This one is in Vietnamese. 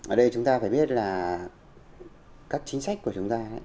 ở đây chúng ta phải biết là các chính sách của chúng ta